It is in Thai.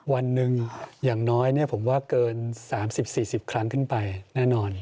วันหนึ่งอย่างน้อยผมว่าเกิน๓๐๔๐ครั้งขึ้นไปแน่นอน